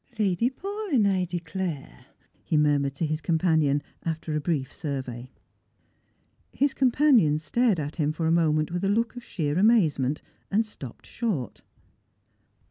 " Lady Paulyn, I declare," he murmured to his companion, after a brief survey His companion stared at him for a< moment with a look of sheer amazement, and stopped short.